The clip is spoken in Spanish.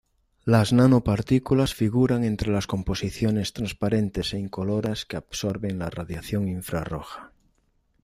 Las nanopartículas figuran entre las composiciones transparentes e incoloras que absorben la radiación infrarroja.